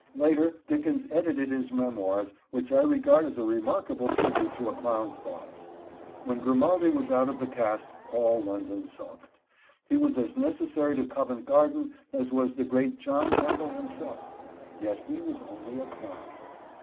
Later, Dickens edited his Memoirs, which I regard as a remarkable tribute to a clown's thoughts. When Grimaldi was out of the cast all London sulked. He was as necessary to Covent Garden as was the great John Kemble himself. Yet he was only a clown.